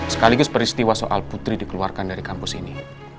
sekaligus peristiwa soal putri dikeluarkan dari kampus ini